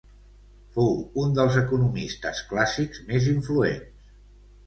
Fou un dels economistes clàssics més influents.